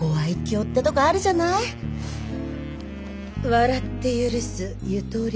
笑って許すゆとり。